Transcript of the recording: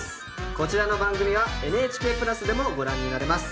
こちらの番組はＮＨＫプラスでもご覧になれます。